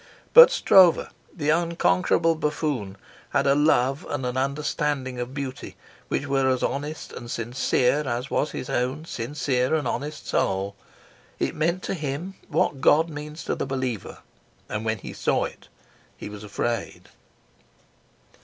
But Stroeve, the unconquerable buffoon, had a love and an understanding of beauty which were as honest and sincere as was his own sincere and honest soul. It meant to him what God means to the believer, and when he saw it he was afraid.